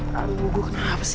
tadi gue kena apa sih